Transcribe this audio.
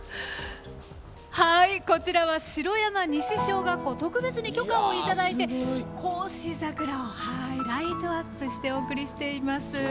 こちらは、城山西小学校特別に許可をいただいて孝子桜をライトアップしてお送りしております。